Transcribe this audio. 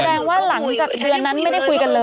ว่าหลังจากเดือนนั้นไม่ได้คุยกันเลย